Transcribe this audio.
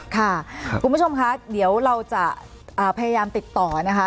ค่ะคุณผู้ชมค่ะเดี๋ยวเราจะพยายามติดต่อนะคะ